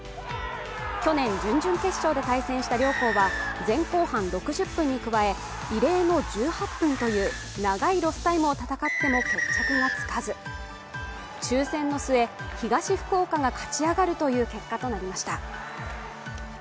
去年、準々決勝で対戦した両校は前後半６０分に加え異例の１８分という長いロスタイムを戦っても決着がつかず、抽選の末、東福岡が勝ち上がるという結果になりました。